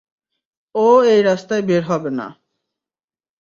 ও এই রাস্তায় বের হবে না।